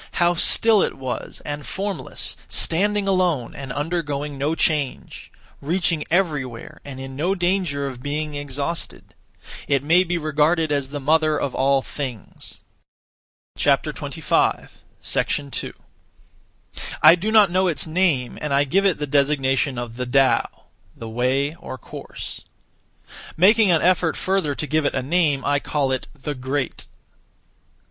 How still it was and formless, standing alone, and undergoing no change, reaching everywhere and in no danger (of being exhausted)! It may be regarded as the Mother of all things. 2. I do not know its name, and I give it the designation of the Tao (the Way or Course). Making an effort (further) to give it a name I call it The Great.